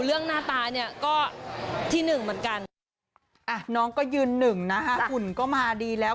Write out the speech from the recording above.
คุณหนึ่งนะฮะคุณก็มาดีแล้ว